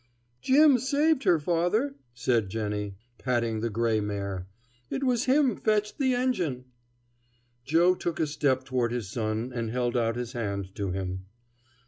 "Jim saved her, father," said Jennie, patting the gray mare; "it was him fetched the engine." Joe took a step toward his son and held out his hand to him.